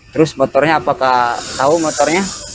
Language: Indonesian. terus motornya apakah tahu motornya